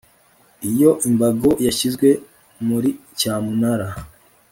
Iyo imbago yashyizwe muri cyamunara